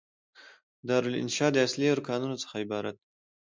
دارالانشأ د اصلي ارکانو څخه عبارت دي.